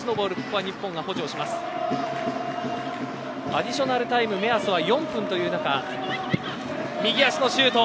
アディショナルタイムの目安が４分という中右足のシュート。